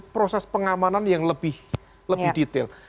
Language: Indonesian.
proses pengamanan yang lebih detail